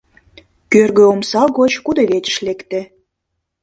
Кӧргӧ омса гоч кудывечыш лекте.